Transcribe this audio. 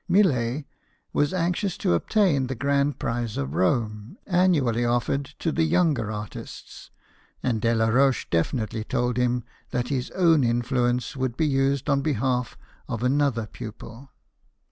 Millet was anxious to obtain the Grand Prize of Rome annually offered to the younger artists, and Delaroche definitely told him that his own influence would be used on behalf of another pupil.